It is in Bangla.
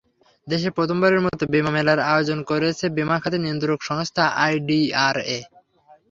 দেশে প্রথমবারের মতো বিমা মেলার আয়োজন করেছে বিমা খাতের নিয়ন্ত্রক সংস্থা আইডিআরএ।